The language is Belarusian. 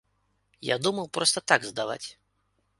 Я думаў проста так здаваць.